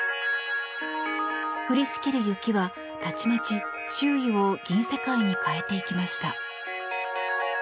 降りしきる雪はたちまち周囲を銀世界に変えていきました。